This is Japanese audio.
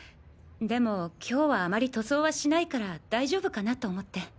でも今日はあまり塗装はしないから大丈夫かなと思って。